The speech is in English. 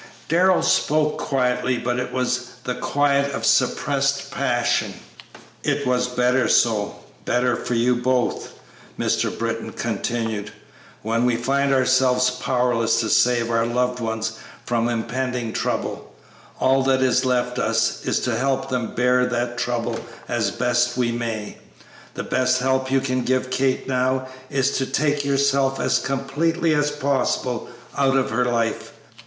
Darrell spoke quietly, but it was the quiet of suppressed passion. "It was better so better for you both," Mr. Britton continued; "when we find ourselves powerless to save our loved ones from impending trouble, all that is left us is to help them bear that trouble as best we may. The best help you can give Kate now is to take yourself as completely as possible out of her life.